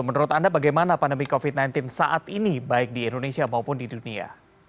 menurut anda bagaimana pandemi covid sembilan belas saat ini baik di indonesia maupun di dunia